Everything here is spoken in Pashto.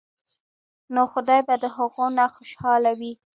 نو خدائے به د هغو نه خوشاله وي ـ